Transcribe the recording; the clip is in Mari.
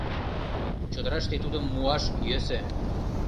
Чодыраште тудым муаш йӧсӧ.